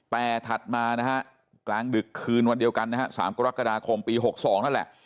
แต่ถัดมานะฮะกลางดึกคืนวันเดียวกันนะฮะ๓กรกฎาคมปี๖๒นั่นแหละ